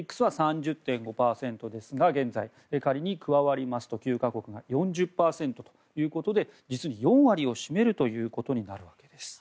ＢＲＩＣＳは３０．５％ですが仮に９か国が加わりますと４０％ということで実に４割を占めるということになるわけです。